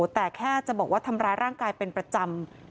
แต่แค่จะบอกว่าทำร้ายร่างกายเป็นประจำ